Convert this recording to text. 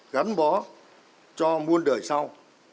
gắn bó cho muôn đời sau